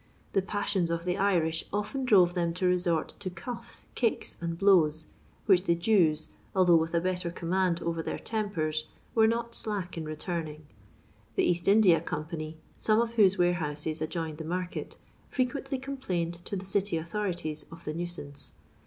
The passions of the Irish often droTo them to resort to cuff«, kicks, and blows, which the Jews, although with a better command over their tempers, were not slack in returning. The Bast India Company, some of whose warehouses adjoined the market, frequently complained to the city authorities of the nuisance.